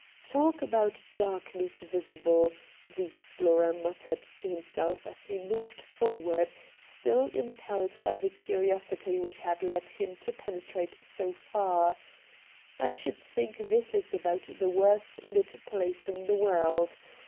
' Talk about darkness visible,' the explorer muttered to himself as he moved forward, still impelled by the curiosity which had led him to penetrate so far ; 'I should think this is about the worst lit place in the world.